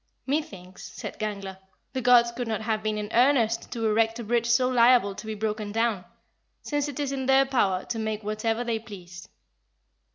"Methinks," said Gangler, "the gods could not have been in earnest to erect a bridge so liable to be broken down, since it is in their power to make whatever they please."